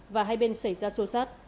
và hai bên xảy ra xô xát